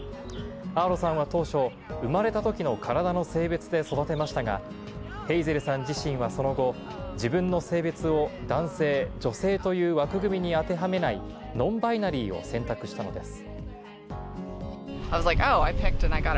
アーロさんは当初、生まれたときの体の性別で育てましたが、ヘイゼルさん自身はその後、自分の性別を男性、女性という枠組みに当てはめないノンバイナリーを選択したのです。